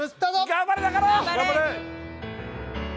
頑張れ！